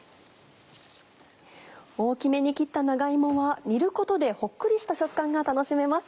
大きめに切った長芋は煮ることでほっくりした食感が楽しめます。